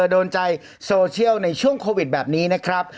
โดนใจโซเชียลในช่วงโควิดแบบนี้นะครับ